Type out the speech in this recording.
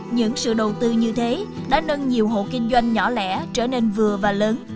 những sự đầu tư như thế đã nâng nhiều hộ kinh doanh nhỏ lẻ trở nên vừa và lớn